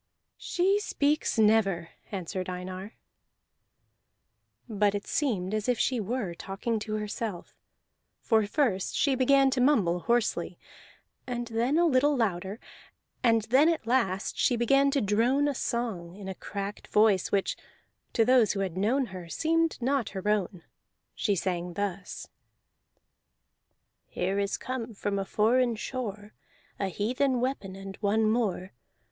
"She speaks never," answered Einar. But it seemed as if she were talking to herself, for first she began to mumble hoarsely, and then a little louder, and then at last she began to drone a song, in a cracked voice which, to those who had known her, seemed not her own. She sang thus: "Here is come from foreign shore, A heathen weapon and one more.